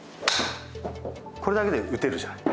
これだけで打てるじゃない。